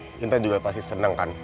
nintan juga pasti seneng kan